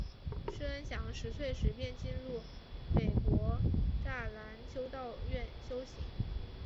师恩祥十岁时便进入北京栅栏修道院修行。